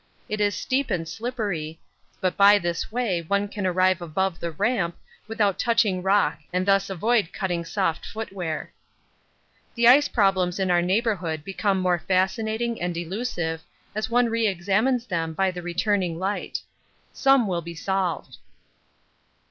It is steep and slippery, but by this way one can arrive above the Ramp without touching rock and thus avoid cutting soft footwear. The ice problems in our neighbourhood become more fascinating and elusive as one re examines them by the returning light; some will be solved.